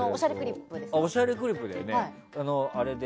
「おしゃれクリップ」だよね。